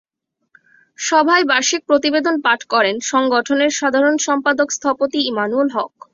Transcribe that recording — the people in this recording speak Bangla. সভায় বার্ষিক প্রতিবেদন পাঠ করেন সংগঠনের সাধারণ সম্পাদক স্থপতি ইমানুল হক।